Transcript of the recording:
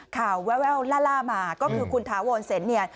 ข่าวแววล่ามาก็คือคุณทาวนเซ็นเนี่ย